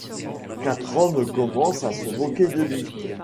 Quatre hommes commencent à se moquer de lui.